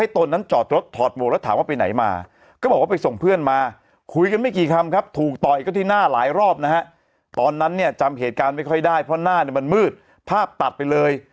ตอนนั้นจำเหตุการณ์ไม่ค่อยได้เพราะหน้ามันมืดภาพตัดไปเลย